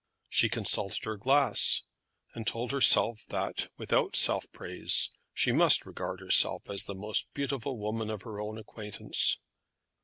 She consulted her glass, and told herself that, without self praise, she must regard herself as the most beautiful woman of her own acquaintance.